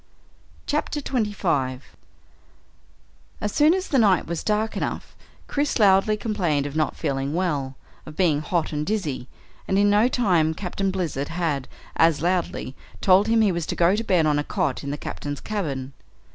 CHAPTER 25 As soon as the night was dark enough, Chris loudly complained of not feeling well of being hot and dizzy, and in no time Captain Blizzard had, as loudly, told him he was to go to bed on a cot in the Captain's cabin.